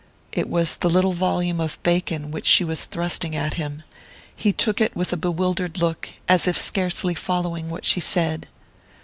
It was the little volume of Bacon which she was thrusting at him. He took it with a bewildered look, as if scarcely following what she said.